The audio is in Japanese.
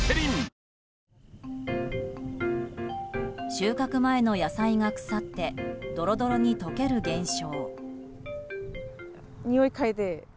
収穫前の野菜が腐ってドロドロに溶ける現象。